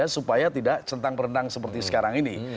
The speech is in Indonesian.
supaya tidak centang perenang seperti sekarang ini